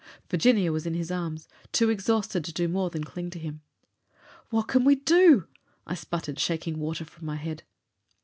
Virginia was in his arms, too exhausted to do more than cling to him. "What can we do?" I sputtered, shaking water from my head.